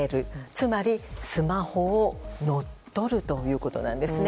つまり、スマホを乗っ取るということなんです。